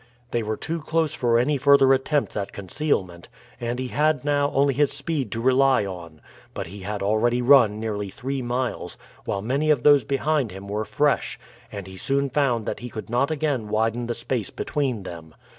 They were too close for any further attempts at concealment, and he had now only his speed to rely on. But he had already run nearly three miles, while many of those behind him were fresh, and he soon found that he could not again widen the space between them.